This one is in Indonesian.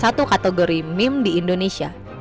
satu kategori meme di indonesia